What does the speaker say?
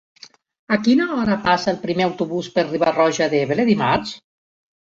A quina hora passa el primer autobús per Riba-roja d'Ebre dimarts?